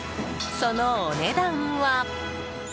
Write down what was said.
そのお値段は。